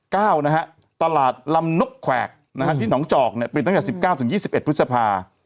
ตลาดลำนกแขวกนะฮะที่หนองจอกเนี่ยเป็นตั้งแต่สิบเก้าถึงยี่สิบเอ็ดพฤษภา